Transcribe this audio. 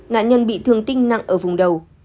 nạn nhân bị thương tinh nặng ở vùng đầu